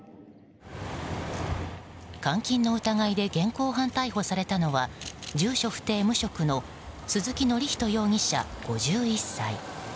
監禁の疑いで現行犯逮捕されたのは住所不定・無職の鈴木教仁容疑者、５１歳。